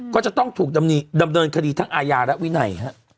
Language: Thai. ก็จะต้องถูกดำเนินคดีทั้งอาญาและวินัย